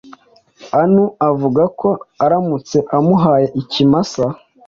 Anu avuga ko aramutse amuhaye Ikimasa